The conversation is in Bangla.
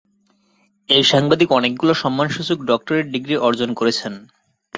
এই সাংবাদিক অনেকগুলো সম্মানসূচক ডক্টরেট অর্জন করেছেন।